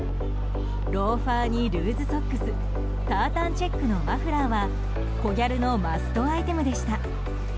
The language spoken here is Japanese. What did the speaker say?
ローファーにルーズソックスタータンチェックのマフラーはコギャルのマストアイテムでした。